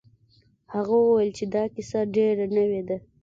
هغه وویل چې دا کیسه ډیره نوې ده.